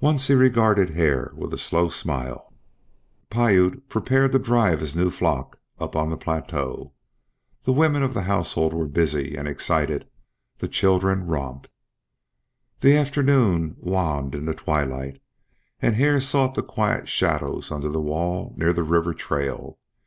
Once he regarded Hare with a slow smile. Piute prepared to drive his new flock up on the plateau. The women of the household were busy and excited; the children romped. The afternoon waned into twilight, and Hare sought the quiet shadows under the wall near the river trail.